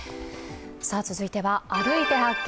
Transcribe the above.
続いては「歩いて発見！